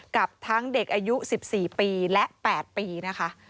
กับทั้งเด็กอายุ๑๔ปีและ๘ปีนะคะ